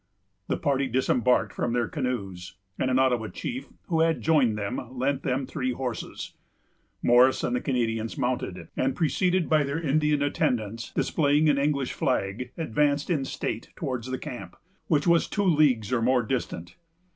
The party disembarked from their canoes; and an Ottawa chief, who had joined them, lent them three horses. Morris and the Canadians mounted, and, preceded by their Indian attendants, displaying an English flag, advanced in state towards the camp, which was two leagues or more distant.